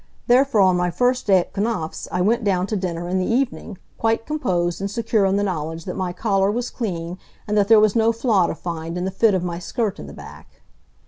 Therefore on my first day at Knapf's I went down to dinner in the evening, quite composed and secure in the knowledge that my collar was clean and that there was no flaw to find in the fit of my skirt in the back.